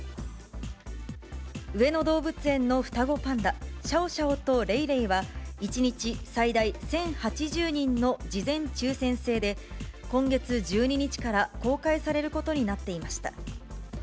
上野動物園の双子パンダ、シャオシャオとレイレイは、１日最大１０８０人の事前抽せん制で、今月１２日から公開されることになっていました。